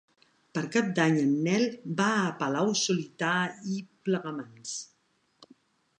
Per Cap d'Any en Nel va a Palau-solità i Plegamans.